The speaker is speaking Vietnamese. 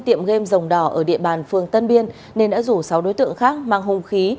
tiệm game rồng đỏ ở địa bàn phường tân biên nên đã rủ sáu đối tượng khác mang hùng khí